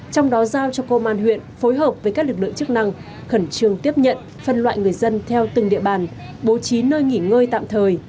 trong đó giao cho công an huyện phối hợp với các lực lượng chức năng khẩn trương tiếp nhận phân loại người dân theo từng địa bàn bố trí nơi nghỉ ngơi tạm thời